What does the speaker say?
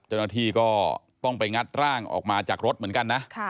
เจ้าหน้าที่ก็ต้องไปงัดร่างออกมาจากรถเหมือนกันนะ